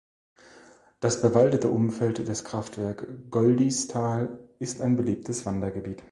Das bewaldete Umfeld des Kraftwerk Goldisthal ist ein beliebtes Wandergebiet.